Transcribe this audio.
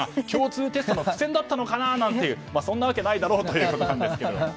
共通テストの伏線だったのかななんていうそんなわけないだろうということですけど。